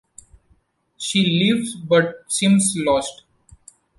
She leaves but seems lost.